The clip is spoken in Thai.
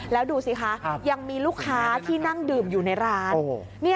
แล้วดูสิคะยังมีลูกค้าที่นั่งดื่มอยู่ในร้าน